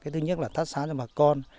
thứ nhất là tác xá cho bà con